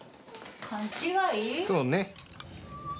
そうね。